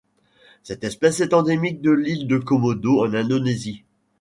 Cette espèce est endémique de l'île de Komodo en Indonésie.